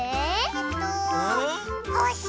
えっとほし！